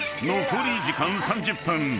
［残り時間３０分］